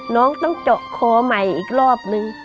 น้องต้องเจาะคอใหม่อีกรอบนึง